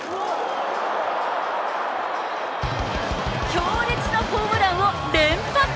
強烈なホームランを連発。